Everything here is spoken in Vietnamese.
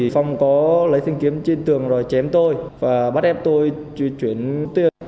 phong có lấy thanh kiếm trên tường rồi chém tôi và bắt ép tôi chuyển tiền